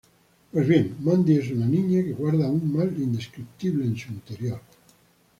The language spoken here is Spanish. Pues bien, Mandy es una niña que guarda un mal indescriptible en su interior.